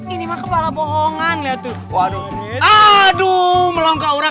ini mah kepala bohongan lihat aduh melongkak orang